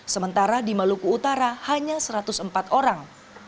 sementara di maluku utara hanya satu ratus empat orang